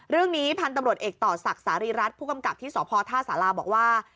เรื่องนี้พันธุ์ตำรวจเอกต่อศักดิ์สารีรัฐผู้กำกับที่สพท่าสาราบอกว่า